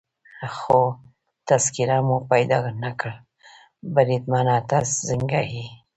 خو تذکیره مو پیدا نه کړل، بریدمنه ته څنګه یې؟